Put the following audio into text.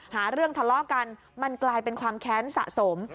หาเรื่องทะเลาะกันมันกลายเป็นความแค้นสะสม